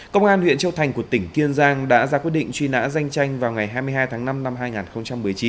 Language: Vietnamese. công an huyện châu thành của tỉnh kiên giang đã ra quyết định truy nã danh chanh vào ngày hai mươi hai tháng năm